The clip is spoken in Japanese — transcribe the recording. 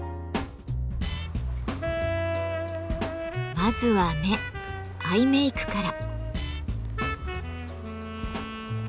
まずは目アイメークから。